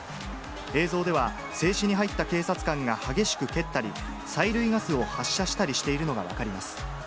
映像では、制止に入った警察官が激しく蹴ったり、催涙ガスを発射したりしているのが分かります。